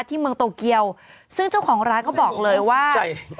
ที่เมืองโตเกียวซึ่งเจ้าของร้านเขาบอกเลยว่า